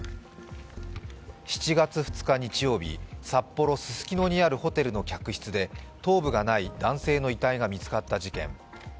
７月２日日曜日、札幌・ススキノにあるホテルの客室で頭部がない男性の遺体が見つかった事件。